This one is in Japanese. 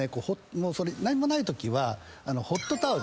何もないときはホットタオル。